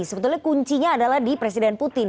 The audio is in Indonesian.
sebetulnya kuncinya adalah di presiden putin